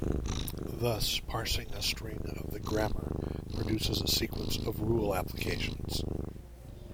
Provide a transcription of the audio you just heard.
Thus, parsing a string of the grammar produces a sequence of rule applications.